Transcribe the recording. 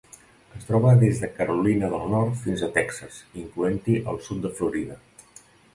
Es troba des de Carolina del Nord fins a Texas, incloent-hi el sud de Florida.